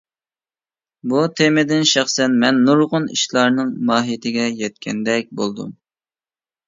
بۇ تېمىدىن شەخسەن مەن نۇرغۇن ئىشلارنىڭ ماھىيىتىگە يەتكەندەك بولدۇم.